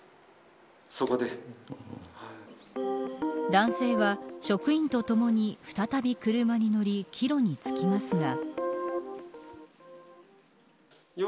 男性は職員とともに再び車に乗り帰路につきますが。